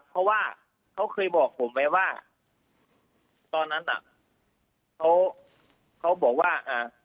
เพราะว่าเขาเคยบอกผมไว้ว่าตอนนั้นอ่ะเขาเขาบอกว่าอ่า